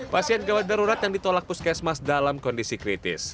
pasien gawat darurat yang ditolak puskesmas dalam kondisi kritis